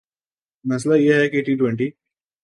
مسئلہ یہ ہے کہ ٹی ٹؤنٹی